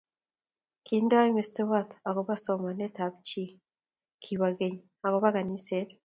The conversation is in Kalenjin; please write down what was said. Kindoi mestowot akobo somanet ab chi kibo geny akobo kaniset